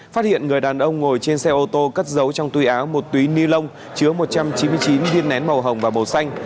phát hiện người đàn ông ngồi trên xe ô tô cất giấu trong túi áo một túi ni lông chứa một trăm chín mươi chín viên nén màu hồng và màu xanh